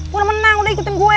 gue udah menang udah ikutin gue